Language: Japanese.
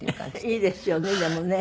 いいですよねでもね。